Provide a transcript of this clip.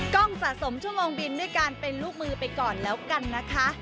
สะสมชั่วโมงบินด้วยการเป็นลูกมือไปก่อนแล้วกันนะคะ